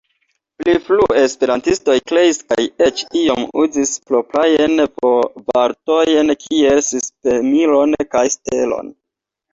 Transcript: Pli frue esperantistoj kreis kaj eĉ iom uzis proprajn valutojn kiel Spesmilon kaj Stelon.